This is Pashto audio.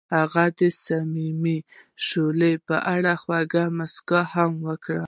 هغې د صمیمي شعله په اړه خوږه موسکا هم وکړه.